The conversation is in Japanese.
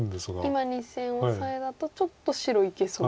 今２線オサエだとちょっと白いけそう。